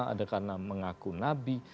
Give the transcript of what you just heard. ada karena mengaku nabi